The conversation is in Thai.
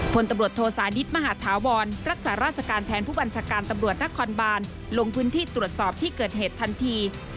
พลตำรวจโทสานิทมหาธาวรรักษาราชการแทนผู้บัญชาการตำรวจนครบานลงพื้นที่ตรวจสอบที่เกิดเหตุทันที